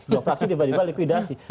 dua fraksi tiba tiba likuidasi